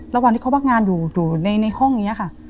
ระหว่างที่เขาพักงานอยู่อยู่ในในห้องอย่างเงี้ยค่ะ